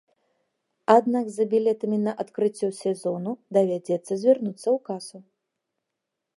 Аднак за білетамі на адкрыццё сезону давядзецца звярнуцца ў касу.